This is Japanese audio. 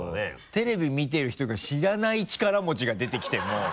テレビ見てる人が知らない力持ちが出てきても。